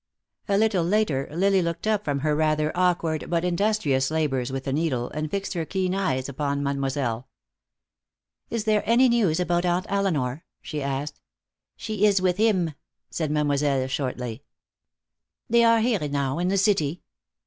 A little later Lily looked up from her rather awkward but industrious labors with a needle, and fixed her keen young eyes on Mademoiselle. "Is there any news about Aunt Elinor?" she asked. "She is with him," said Mademoiselle, shortly. "They are here now, in the city.